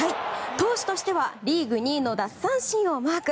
投手としてはリーグ２位の奪三振をマーク。